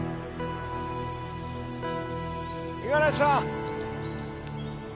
五十嵐さん！